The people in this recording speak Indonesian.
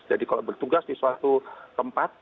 jadi kalau bertugas di suatu tempat